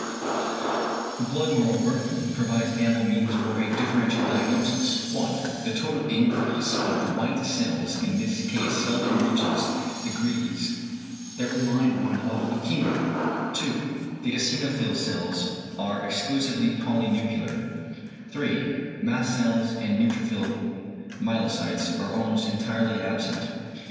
The blood moreover provides ample means for a differential diagnosis: (1) the total increase of the white cells in this case seldom reaches degrees that remind one of leukæmia; (2) the eosinophil cells are exclusively polynuclear; (3) mast cells and neutrophil myelocytes are almost entirely absent.